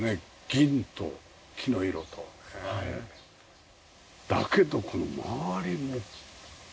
銀と木の色と。だけどこの周りも公園ですか？